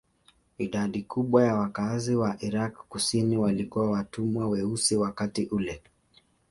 Idadi kubwa ya wakazi wa Irak kusini walikuwa watumwa weusi wakati ule.